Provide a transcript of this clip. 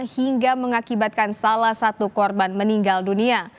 hingga mengakibatkan salah satu korban meninggal dunia